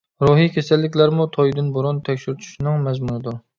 روھىي كېسەللىكلەرمۇ تويدىن بۇرۇن تەكشۈرتۈشنىڭ مەزمۇنىدۇر.